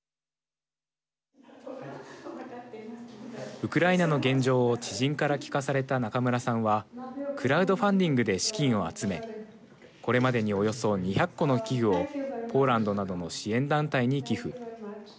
ウクライナの現状を知人から聞かされた中村さんはクラウドファンディングで資金を集めこれまでにおよそ２００個の器具をポーランドなどの支援団体に寄付。